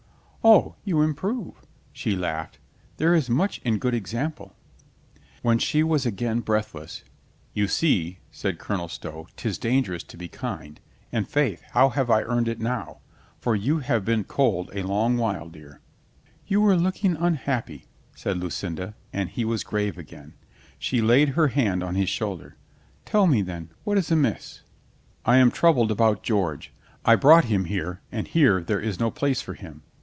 "O, you improve," she laughed. "There is much in good example." When she was again breathless, "You see," said Colonel Stow, " 'tis dangerous to be kind. And, faith, how have I earned it now? For you have been cold a long while, dear." THE SURPRISE OF LUCINDA 215 "You were looking unhappy," said Lucinda, and he was grave again. She laid her hand on his shoulder. "Tell me, then, what is amiss?" "I am troubled about George. I brought him here and here there is no place for him.